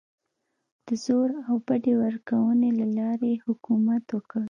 د زور او بډې ورکونې له لارې یې حکومت وکړ.